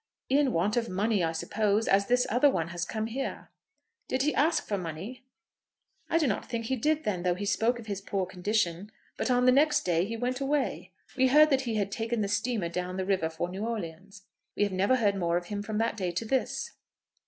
"In want of money, I suppose, as this other one has come here." "Did he ask for money?" "I do not think he did then, though he spoke of his poor condition. But on the next day he went away. We heard that he had taken the steamer down the river for New Orleans. We have never heard more of him from that day to this."